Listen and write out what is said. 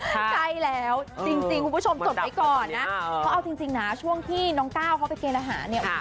จริงคุณผู้ชมจดไปก่อนนะเขาเอาจริงนะช่วงที่น้องก้าวเขาไปเกณฑ์รหาเนี่ย